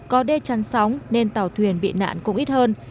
có đê chăn sóng nên tàu thuyền bị nạn cũng ít hơn